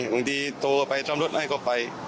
ไม่บางทีโตไปซ่อมรถให้ก็ไปกลับ